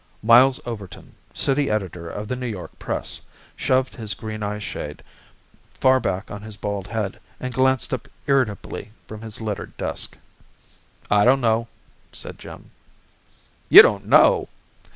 Miles Overton, city editor of The New York Press, shoved his green eye shade far back on his bald head and glanced up irritably from his littered desk. "I don't know," said Jim. "You don't know!"